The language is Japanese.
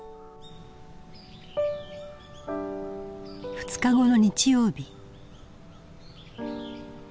２日後の日曜日。